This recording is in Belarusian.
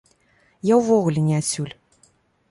Я ўвогуле не адсюль.